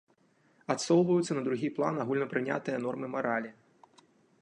Адсоўваюцца на другі план агульнапрынятыя нормы маралі.